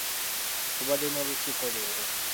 Tubadde n'olukiiko leero.